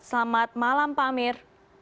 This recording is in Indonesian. selamat malam pak amir